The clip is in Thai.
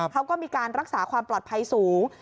เขาก็มีการรักษาความปลอดภัยสูง